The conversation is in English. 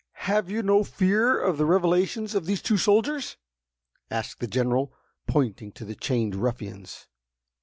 "Have you no fear of the revelations of these two soldiers?" asked the General, pointing to the chained ruffians.